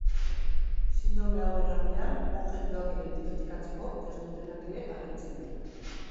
Sindrome hauen artean, objektuak identifikatzen ez dutenak ere agertzen dira.